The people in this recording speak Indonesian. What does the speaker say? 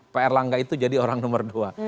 pak erlangga itu jadi orang nomor dua